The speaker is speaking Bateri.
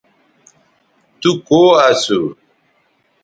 تو کو اسو